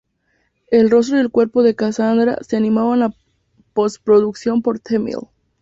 El rostro y el cuerpo de Cassandra se animaron en postproducción por The Mill.